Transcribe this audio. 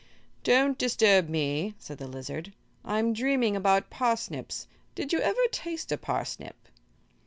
"Don't disturb me," said the lizard; "I'm dreaming about parsnips. Did you ever taste a parsnip?"